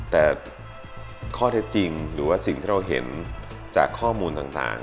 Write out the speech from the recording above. แต่ข้อเท็จจริงหรือว่าสิ่งที่เราเห็นจากข้อมูลต่าง